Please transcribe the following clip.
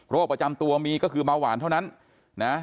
ประจำตัวมีก็คือเบาหวานเท่านั้นนะ